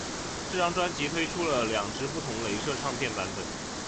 这张专辑推出了两只不同雷射唱片版本。